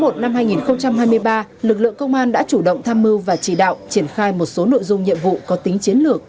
năm hai nghìn hai mươi ba lực lượng công an đã chủ động tham mưu và chỉ đạo triển khai một số nội dung nhiệm vụ có tính chiến lược